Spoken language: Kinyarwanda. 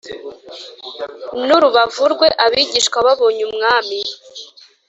n urubavu rwe Abigishwa babonye Umwami